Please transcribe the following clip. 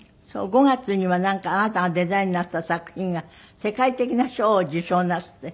５月にはなんかあなたがデザインなすった作品が世界的な賞を受賞なすって？